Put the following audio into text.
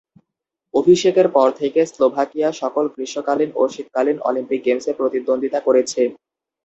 অভিষেকের পর থেকে স্লোভাকিয়া সকল গ্রীষ্মকালীন ও শীতকালীন অলিম্পিক গেমসে প্রতিদ্বন্দ্বিতা করেছে।